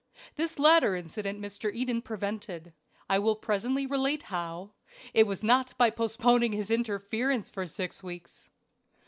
This latter incident Mr. Eden prevented. I will presently relate how; it was not by postponing his interference for six weeks.